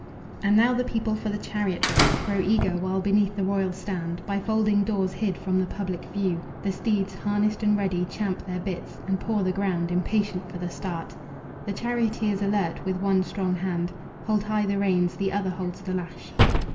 And now the people for the chariot race Grow eager, while beneath the royal stand, By folding doors hid from the public view, The steeds, harnessed and ready, champ their bits And paw the ground, impatient for the start. The charioteers alert, with one strong hand Hold high the reins, the other holds the lash.